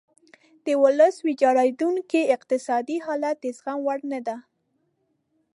د ولس ویجاړیدونکی اقتصادي حالت د زغم وړ نه دی.